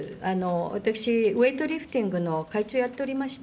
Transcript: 私、ウェートリフティングの会長をやっておりました。